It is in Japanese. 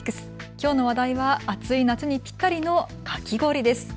きょうの話題は暑い夏にぴったりのかき氷です。